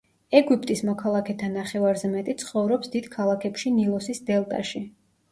ეგვიპტის მოქალაქეთა ნახევარზე მეტი ცხოვრობს დიდ ქალაქებში ნილოსის დელტაში.